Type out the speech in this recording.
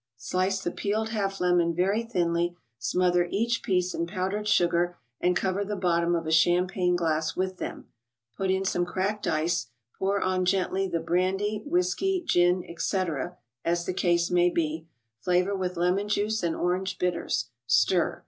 Slice the peeled half lemon very thinly, smother each piece in powdered sugar and cover the bottom of a champagne glass with them, put in some cracked ice; pour on gently the brandy, whiskey, gin, etc. (as the case may be), flavor with lemon juice and orange bitters. Stir.